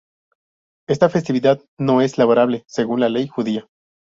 Esta festividad es no laborable según la ley judía.